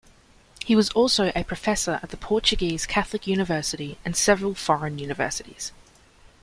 He was also a Professor at the Portuguese Catholic University and several foreign universities.